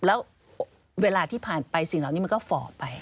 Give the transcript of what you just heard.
แล้วเวลาที่ผ่านไปสิ่งเหล่านี้มันก็ฝ่อไป